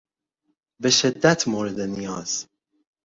به شدت مورد نیاز